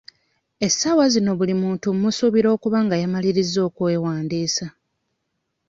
Essaawa zino buli muntu mmusuubira okuba nga yamalirizza okwewandiisa.